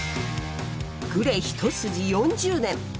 グレ一筋４０年。